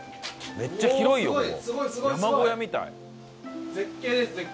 めっちゃいいなここ。